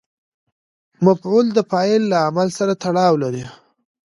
مفعول د فاعل له عمل سره تړاو لري.